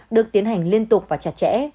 được tiến hành liên tục và chặt chẽ